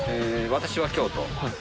私は京都。